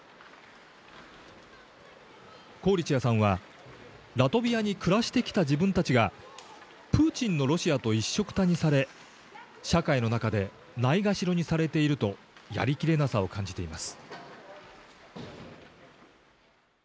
コーリチェワさんはラトビアに暮らしてきた自分たちがプーチンのロシアといっしょくたにされ社会の中でないがしろにされているとやりきれなさを感じています。